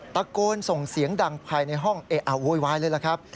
ตะโกนส่งเสียงดังภายในห้องโวยวายเลยล่ะครับ